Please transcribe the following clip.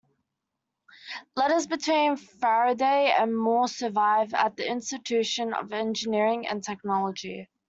Letters between Faraday and Moore survive at the Institution of Engineering and Technology.